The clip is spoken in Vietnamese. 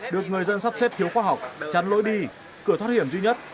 được người dân sắp xếp thiếu khoa học chặn lối đi cửa thoát hiểm duy nhất